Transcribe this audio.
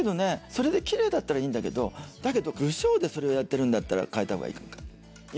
それできれいだったらいいんだけどだけど無精でそれをやってるんだったら変えた方がいいかも分からない